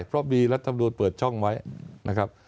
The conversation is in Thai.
เพราะมีรัฐมนุนเปิดช่องไว้นะครับ